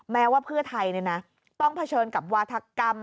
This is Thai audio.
แม้ว่าเพื่อไทยต้องเผชิญกับวาธกรรม